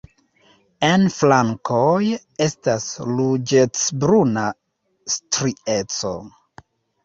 En flankoj estas ruĝecbruna strieco.